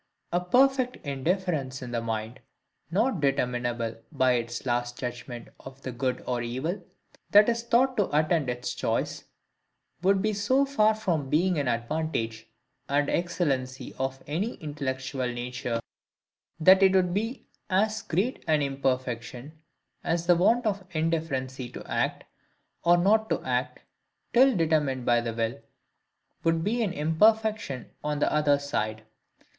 A perfect indifference in the mind, not determinable by its last judgment of the good or evil that is thought to attend its choice, would be so far from being an advantage and excellency of any intellectual nature, that it would be as great an imperfection, as the want of indifferency to act, or not to act, till determined by the will, would be an imperfection on the other side.